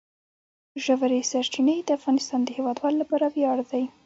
ژورې سرچینې د افغانستان د هیوادوالو لپاره ویاړ دی.